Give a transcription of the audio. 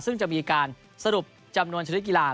ซึ่งจะมีการสรุปจำนวนชนิดกีฬา